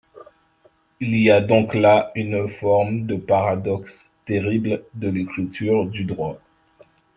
Il y a donc là une forme de paradoxe terrible de l’écriture du droit.